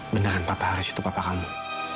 beneran papa haris itu papa kamu